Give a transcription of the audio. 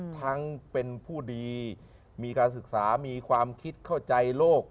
ทั้งเป็นผู้ดีมีการศึกษามีความคิดเข้าใจโลก